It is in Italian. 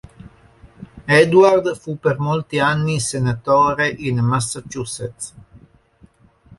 Edward fu per molti anni senatore in Massachusetts.